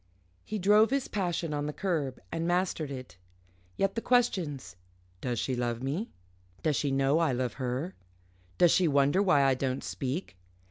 He drove his passion on the curb, and mastered it. Yet the questions Does she love me? Does she know I love her? Does she wonder why I don't speak?